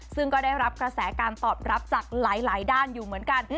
ซึ่งก็ได้รับกระแสการตอบรับจากหลายด้านอยู่เหมือนกัน